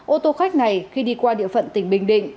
ô tô khách này khi đi qua địa phận tỉnh bình định